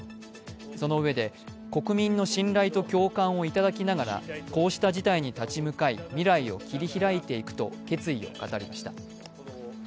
その上で、国民の信頼と共感をいただきながら、こうした事態に立ち向かい未来を切り開いていくと決意を語りました。